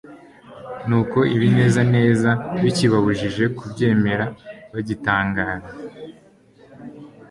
«Nuko ibinezaneza bikibabujije kubyemera, bagitangara,